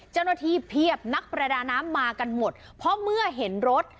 เจ้าหน้าที่เพียบนักประดาน้ำมากันหมดเพราะเมื่อเห็นรถ